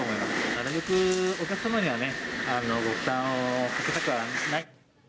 なるべくお客様にはご負担をかけたくはない。